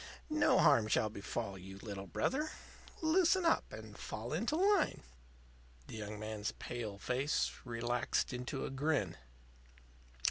No harm shall befall you, Little Brother. Loosen up and fall into line." The young man's pale face relaxed into a grin.